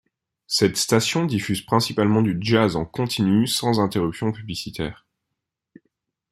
Cette station diffuse principalement du jazz en continu sans interruption publicitaire.